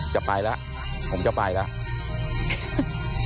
จะไปแล้วผมจะไปแล้ว